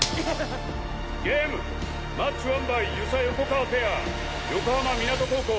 ゲームマッチワンバイ遊佐・横川ペア横浜湊高校。